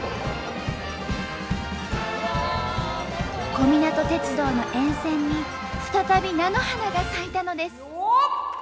小湊鉄道の沿線に再び菜の花が咲いたのです。